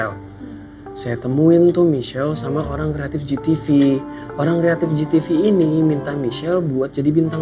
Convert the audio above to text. walaupun gue sama farel udah jadian